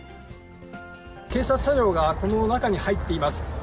警察車両がこの中に入っています。